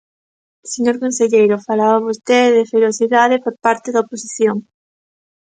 Señor conselleiro, falaba vostede de ferocidade por parte da oposición.